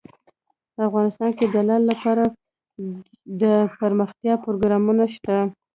افغانستان کې د لعل لپاره دپرمختیا پروګرامونه شته.